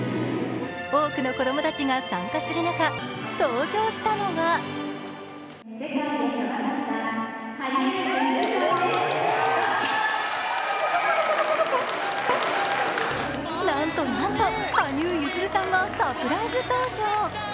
多くの子供たちが参加する中、登場したのはなんとなんと羽生結弦さんがサプライズ登場。